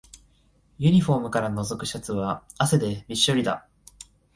ユニフォームからのぞくシャツは汗でびっしょりだ